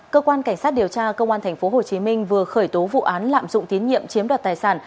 cơ quan cảnh sát điều tra công an tp hồ chí minh vừa khởi tố vụ án lạm dụng tiến nhiệm chiếm đoạt tài sản